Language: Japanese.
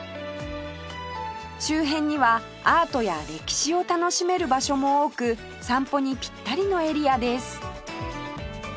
周辺にはアートや歴史を楽しめる場所も多く散歩にピッタリのエリアです